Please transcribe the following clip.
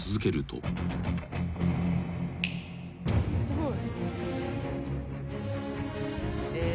すごい。